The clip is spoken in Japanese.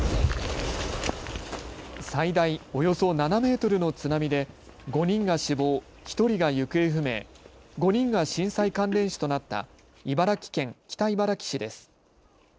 最大およそ７メートルの津波で５人が死亡、１人が行方不明、５人が震災関連死となった茨城県北茨城市です。